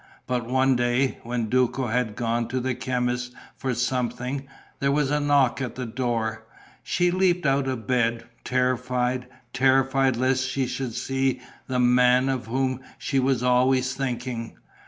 But one day, when Duco had gone to the chemist's for something, there was a knock at the door. She leapt out of bed, terrified, terrified lest she should see the man of whom she was always thinking.